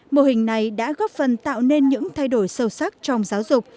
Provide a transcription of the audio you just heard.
mô hình này đã góp phần tạo nên những thay đổi sâu sắc trong giáo dục